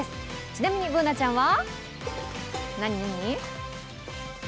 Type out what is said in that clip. ちなみにＢｏｏｎａちゃんは？